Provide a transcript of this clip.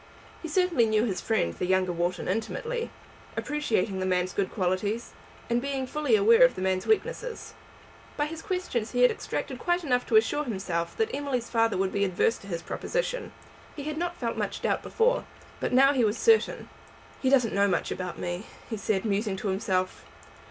He certainly knew his friend, the younger Wharton, intimately, appreciating the man's good qualities, and being fully aware of the man's weakness. By his questions he had extracted quite enough to assure himself that Emily's father would be adverse to his proposition. He had not felt much doubt before, but now he was certain. "He doesn't know much about me," he said, musing to himself.